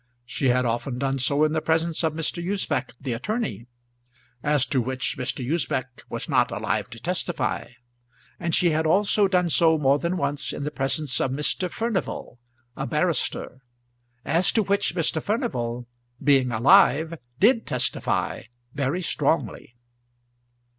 She had often done so in the presence of Mr. Usbech the attorney, as to which Mr. Usbech was not alive to testify; and she had also done so more than once in the presence of Mr. Furnival, a barrister, as to which Mr. Furnival, being alive, did testify very strongly.